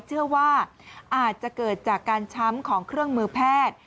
เชื่อว่าอาจจะเกิดจากการช้ำของเครื่องมือแพทย์